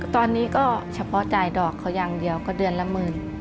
ตอนนี้ก็เฉพาะจ่ายดอกเขาอย่างเดียวก็เดือนละหมื่น